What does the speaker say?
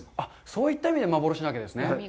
そういった意味で幻なんですね。